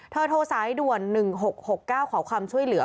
โทรสายด่วน๑๖๖๙ขอความช่วยเหลือ